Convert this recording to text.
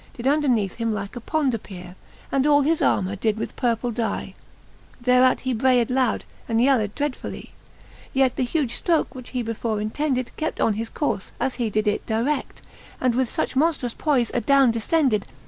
Did underneath him like a pond appeare, And all his armour did with purple dye; Thereat he brayed loud, and yelled dreadfully. XXI. Yet Canto XII. the Faerie ^ee^e, 195 XXI. Yet the huge ftroke, which he before intended, Kept on his courfe, as he did it dired, And with fuch monftrous poife adowne defcended.